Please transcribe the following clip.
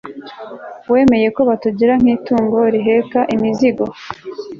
wemeye ko batugira nk'itungo riheka imizigo